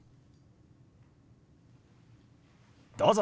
どうぞ。